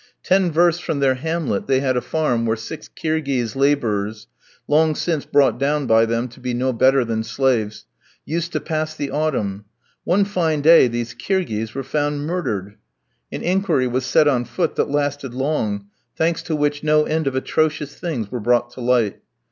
Ten versts from their hamlet they had a farm where six Kirghiz labourers, long since brought down by them to be no better than slaves, used to pass the autumn. One fine day these Kirghiz were found murdered. An inquiry was set on foot that lasted long, thanks to which no end of atrocious things were brought to light.